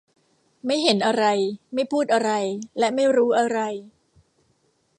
ไม่เห็นอะไร ไม่พูดอะไร และไม่รู้อะไร